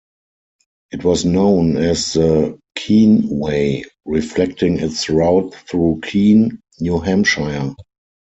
It was known as the "Keene Way," reflecting its route through Keene, New Hampshire.